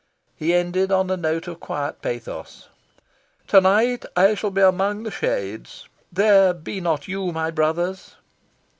He ended on a note of quiet pathos. "To night I shall be among the shades. There be not you, my brothers."